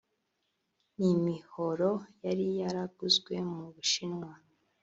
n’imihoro yari yaraguzwe mu bushinwa